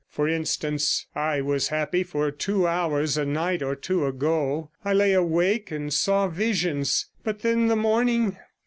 For instance, I was happy for two 102 hours a night or two ago; I lay awake and saw visions. But then the morning!'